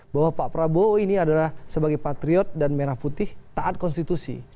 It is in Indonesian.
bahwa pak prabowo ini adalah sebagai patriot dan merah putih taat konstitusi